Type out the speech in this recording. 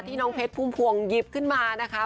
น้องเพชรพุ่มพวงหยิบขึ้นมานะคะ